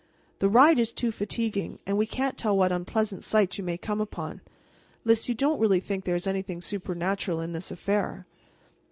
"The ride is too fatiguing, and we can't tell what unpleasant sight you may come upon. Lys, you don't really think there is anything supernatural in this affair?"